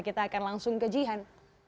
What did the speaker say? kita akan langsung ke jihan